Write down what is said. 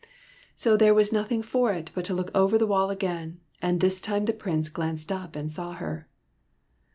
So there was nothing for it but to look over the wall again, and this time the Prince glanced up and saw her.